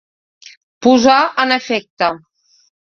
Posar en efecte.